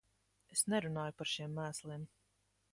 Es nerunāju par šiem mēsliem.